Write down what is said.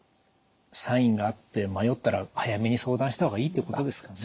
サインがあって迷ったら早めに相談したほうがいいってことですかね。